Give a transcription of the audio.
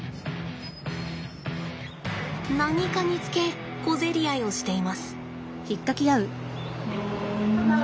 何かにつけ小競り合いをしています。